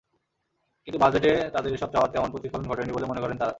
কিন্তু বাজেটে তাঁদের এসব চাওয়ার তেমন প্রতিফলন ঘটেনি বলে মনে করেন তাঁরা।